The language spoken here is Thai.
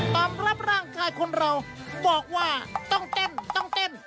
รับร่างกายคนเราบอกว่าต้องเต้นต้องเต้น